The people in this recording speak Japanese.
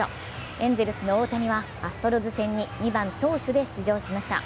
エンゼルスの大谷はアストロズ戦に２番・投手で出場しました。